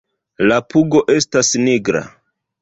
La pugo estas nigra.